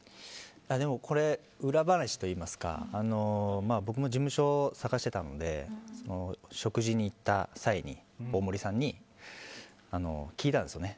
でも、裏話といいますか僕も事務所を探してたので食事に行った際に大森さんに聞いたんですね。